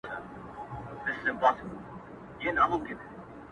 يو وخت ژوند وو خوښي وه افسانې د فريادي وې